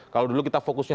kalau dulu kita fokusnya